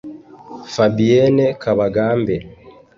Fabienne Kabagambe